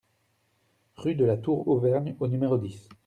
Rue de la Tour Auvergne au numéro dix